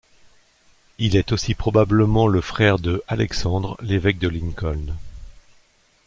Il est aussi probablement le frère de Alexandre, l'évêque de Lincoln.